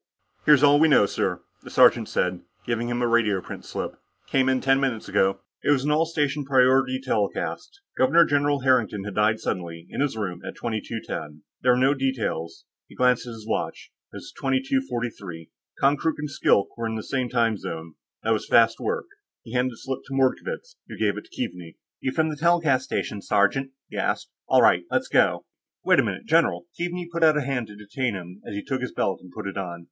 "Here's all we know, sir," the sergeant said, giving him a radioprint slip. "Came in ten minutes ago." It was an all station priority telecast. Governor General Harrington had died suddenly, in his room, at 2210; there were no details. He glanced at his watch; it was 2243. Konkrook and Skilk were in the same time zone; that was fast work. He handed the slip to Mordkovitz, who gave it to Keaveney. "You from the telecast station, sergeant?" he asked. "All right, let's go." "Wait a minute, general." Keaveney put out a hand to detain him as he took his belt and put it on.